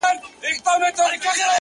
د ميني ننداره ده، د مذهب خبره نه ده،